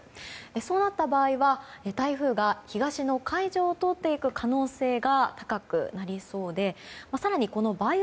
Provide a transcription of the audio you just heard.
そうなった場合は台風が東の海上を通っていく可能性が高くなりそうで更に梅雨